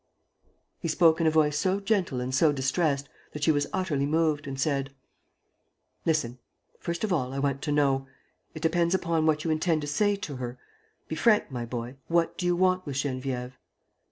He spoke in a voice so gentle and so distressed that she was utterly moved, and said: "Listen. ... First of all, I want to know. ... It depends upon what you intend to say to her. ... Be frank, my boy. ... What do you want with Geneviève?"